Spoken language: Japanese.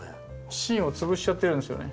芯を潰しちゃってるんですよね。